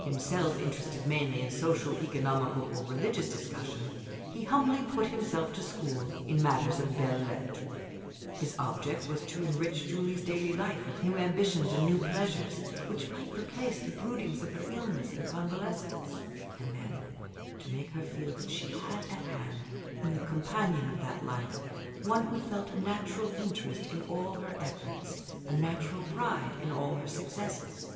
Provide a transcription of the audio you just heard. Himself interested mainly in social, economical, or religious discussion, he humbly put himself to school in matters of belles lettres. His object was to enrich Julie's daily life with new ambitions and new pleasures, which might replace the broodings of her illness and convalescence, and then, to make her feel that she had at hand, in the companion of that life, one who felt a natural interest in all her efforts, a natural pride in all her successes.